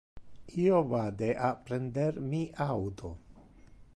Io vade a prender mi auto.